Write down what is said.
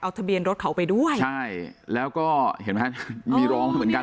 ทะเบียนรถเขาไปด้วยใช่แล้วก็เห็นไหมมีรองมาเหมือนกัน